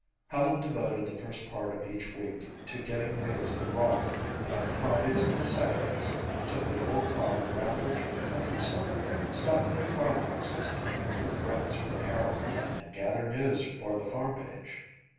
Helen devoted the first part of each week to getting news in Rolfe and on Fridays and Saturdays took the old car and rambled through the countryside, stopping at farmhouses to make new friends for the Herald and gather news for the farm page.